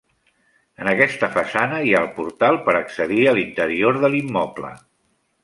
En aquesta façana hi ha el portal per accedir a l'interior de l'immoble.